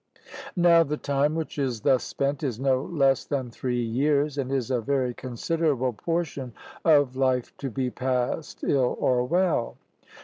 Now the time which is thus spent is no less than three years, and is a very considerable portion of life to be passed ill or well.